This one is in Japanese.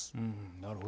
なるほど。